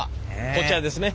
こちらですね。